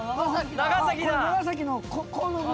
長崎のここの部分。